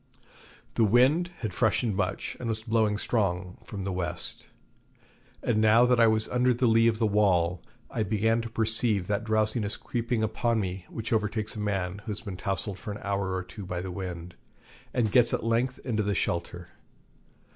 The wind had freshened much, and was blowing strong from the west; and now that I was under the lee of the wall I began to perceive that drowsiness creeping upon me which overtakes a man who has been tousled for an hour or two by the wind, and gets at length into shelter.